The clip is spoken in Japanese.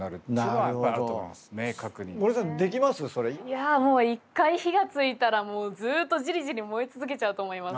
いやもう一回火がついたらずっとジリジリ燃え続けちゃうと思います。